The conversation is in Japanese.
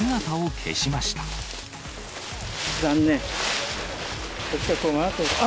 残念。